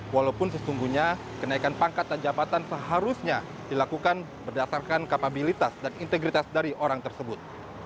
walaupun sesungguhnya kenaikan pangkat dan jabatan seharusnya dilakukan berdasarkan kapabilitas dan integritas dari orang tersebut